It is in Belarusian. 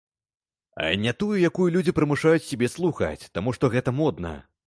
А не тую, якую людзі прымушаюць сябе слухаць, таму што гэта модна.